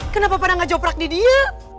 kenapa pada gak joprak di dia